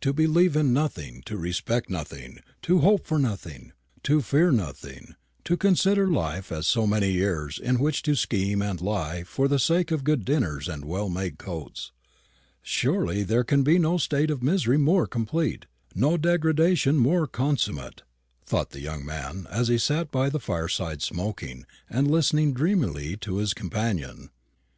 "To believe in nothing, to respect nothing, to hope for nothing, to fear nothing, to consider life as so many years in which to scheme and lie for the sake of good dinners and well made coats surely there can be no state of misery more complete, no degradation more consummate," thought the young man, as he sat by the fireside smoking and listening dreamily to his companion.